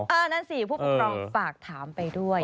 นั่นสิผู้ปกครองฝากถามไปด้วย